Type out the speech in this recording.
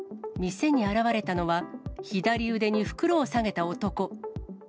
店に現れたのは、左腕に袋を提げた男。